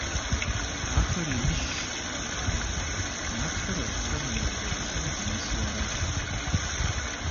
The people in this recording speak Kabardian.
Ахэр иныжьщ. Нартхэр абыхэм я блэгущӀэм дынэсу аращ.